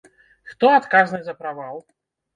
Хто адказны за правал?